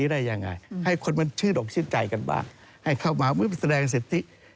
ได้ยังไงให้คนมันชื่นอกชื่นใจกันบ้างให้เข้ามาแสดงสิทธิ